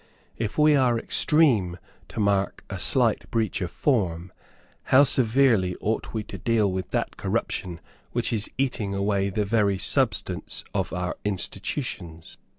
If we are extreme to mark a slight breach of form, how severely ought we to deal with that corruption which is eating away the very substance of our institutions!"